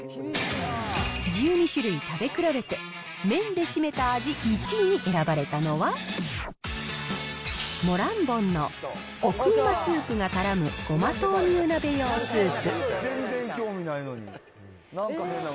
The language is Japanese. １２種類食べ比べて、麺で締めた味１位に選ばれたのは、モランボンのコク旨スープがからむごま豆乳鍋用スープ。